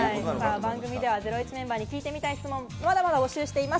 番組ではゼロイチメンバーに聞いてみたい質問を募集中です。